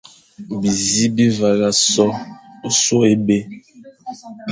Bizi bi vagha so sô é bè,